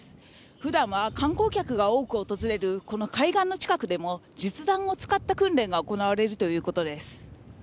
普段は観光客が多く訪れるこの海岸の近くでも、実弾を使った訓練が行われるということです。